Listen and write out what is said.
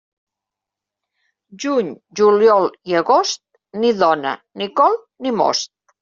Juny, juliol i agost, ni dona, ni col ni most.